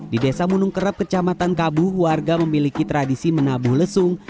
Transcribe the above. di desa gunung kerap kecamatan kabuh warga memiliki tradisi menabuh lesung